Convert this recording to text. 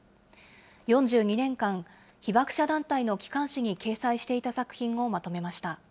４２年間、被爆者団体の機関誌に掲載していた作品をまとめました。